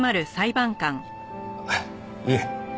いえ。